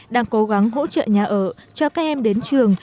đang cố gắng hỗ trợ nhà ở cho các em đến trường